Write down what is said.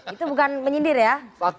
itu bukan menyindir ya